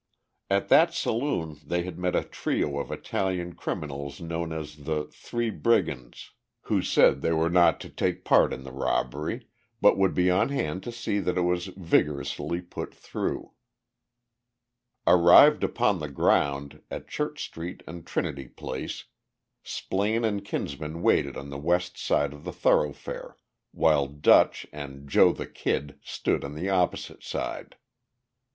[Illustration: "Scotty" Receives Final Instructions] At that saloon they had met a trio of Italian criminals known as the "Three Brigands," who said they were not to take part in the robbery, but would be on hand to see that it was vigorously put through. Arrived upon the ground, at Church street and Trinity Place, Splaine and Kinsman waited on the west side of the thoroughfare, while "Dutch" and "Joe the Kid" stood on the opposite side.